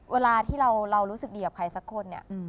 เวลาที่เรารู้สึกดีกับใครสักคนเนี่ย